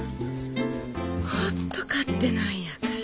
ほっと勝手なんやから。